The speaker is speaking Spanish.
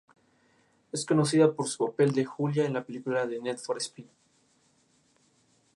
En ocasiones posteriores, los marcianos blancos lograron liberarse de su encarcelamiento psicológico.